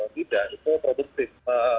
tidak itu produktif